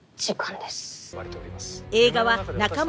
時間です。